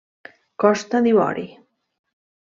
Costa d'Ivori.